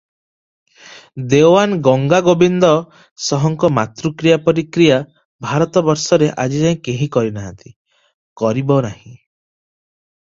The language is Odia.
ଦେଓଆନ ଗଙ୍ଗାଗୋବିନ୍ଦ ସିଂହଙ୍କ ମାତୃକ୍ରିୟା ପରି କ୍ରିୟା ଭାରତବର୍ଷରେ ଆଜିଯାଏ କେହି କରିନାହିଁ, କରିବ ନାହିଁ ।